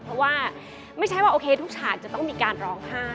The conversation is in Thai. เพราะว่าไม่ใช่ว่าโอเคทุกฉากจะต้องมีการร้องไห้